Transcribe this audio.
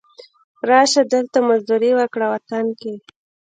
را شه، دلته مزدوري وکړه وطن کې